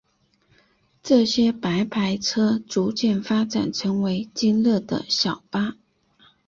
这些白牌车逐渐发展成为今日的小巴。